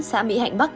xã mỹ hạnh bắc